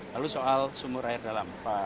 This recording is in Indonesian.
lalu soal sumur air dalam